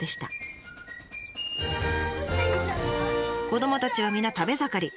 子どもたちは皆食べ盛り。